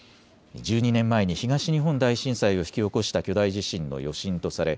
１２年前に東日本大震災を引き起こした巨大地震の余震とされ